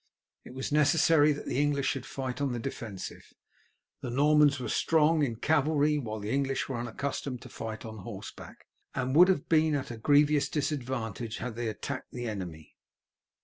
It was necessary that the English should fight on the defensive. The Normans were strong in cavalry, while the English were unaccustomed to fight on horseback, and would have been at a grievous disadvantage had they attacked the enemy.